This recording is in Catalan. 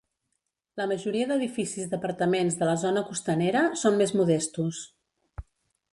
La majoria d"edificis d"apartaments de la zona costanera són més modestos.